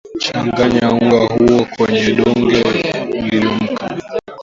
changanya unga huo kwenye donge liliumka